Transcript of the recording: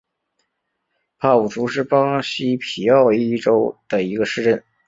帕武苏是巴西皮奥伊州的一个市镇。